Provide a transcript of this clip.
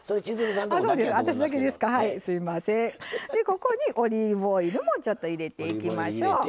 ここにオリーブオイルもちょっと入れていきましょう。